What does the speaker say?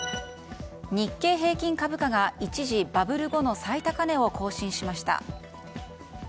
日経平均株価が一時バブル後の最高値を更新しました。